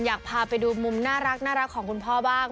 อยากพาไปดูมุมน่ารักของคุณพ่อบ้าง